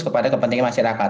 kepada kepentingan masyarakat